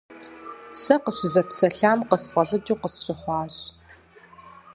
Сэ къыщызэпсалъэм къысфӀэлӀыкӀыу къысщыхъуащ.